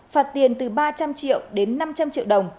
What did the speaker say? phạt tiền từ ba trăm linh triệu đến năm trăm linh triệu đồng